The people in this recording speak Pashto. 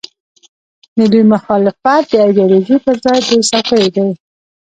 د دوی مخالفت د ایډیالوژۍ پر ځای د څوکیو دی.